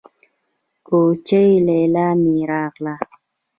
کوچۍ ليلا مې راغله.